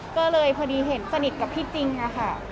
ก็เลยพอดีเห็นสนิทกับพี่ติ๊งอะค่ะ